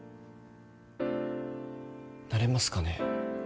なれますかね？